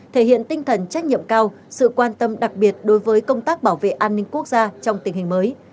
thể hiện tinh thần trách nhiệm cao sự quan tâm đặc biệt đối với công tác bảo vệ an ninh quốc gia trong tình hình mới